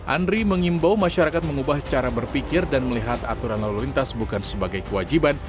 andri mengimbau masyarakat mengubah cara berpikir dan melihat aturan lalu lintas bukan sebagai kewajiban